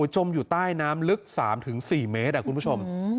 จมอยู่ใต้น้ำลึก๓๔เมตรคุณผู้ชม